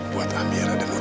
buat amira dan mutari